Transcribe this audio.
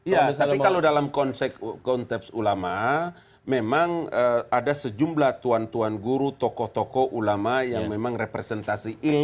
ya tapi kalau dalam konteks ulama memang ada sejumlah tuan tuan guru tokoh tokoh ulama yang memang representasi ilmu